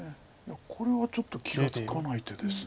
これはちょっと気が付かない手です。